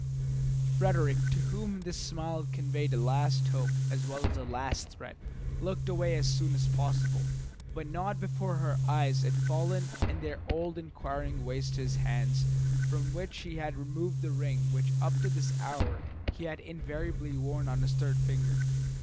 Frederick, to whom this smile conveyed a last hope as well as a last threat, looked away as soon as possible, but not before her eyes had fallen in their old inquiring way to his hands, from which he had removed the ring which up to this hour he had invariably worn on his third finger.